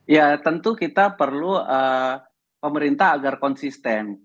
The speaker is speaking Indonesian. ya tentu kita perlu pemerintah agar konsisten